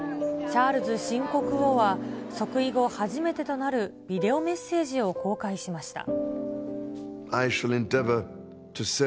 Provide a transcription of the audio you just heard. チャールズ新国王は、即位後初めてとなるビデオメッセージを公開しました。